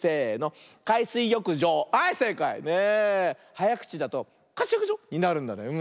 はやくちだと「かすよくじょ」になるんだね。